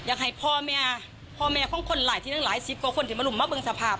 อยากให้พ่อแม่พ่อแม่ของคนหลายที่ตั้งหลายสิบกว่าคนที่มารุมมาบึงสภาพ